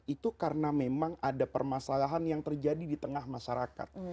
itu karena memang ada permasalahan yang terjadi di tengah masyarakat